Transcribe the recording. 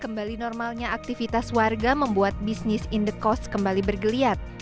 kembali normalnya aktivitas warga membuat bisnis in the cost kembali bergeliat